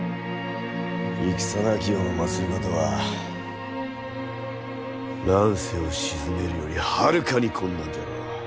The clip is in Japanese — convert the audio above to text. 戦なき世の政は乱世を鎮めるよりはるかに困難じゃろう。